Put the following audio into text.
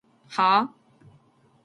はぁ？